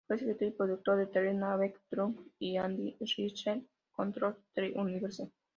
Fue escritor y productor de "The Naked Truth" y "Andy Richter Controls the Universe".